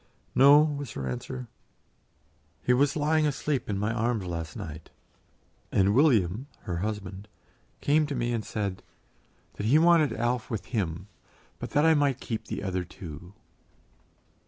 "No," was her answer. "He was lying asleep in my arms last night, and William" (her husband) "came to me and said that he wanted Alf with him, but that I might keep the other two."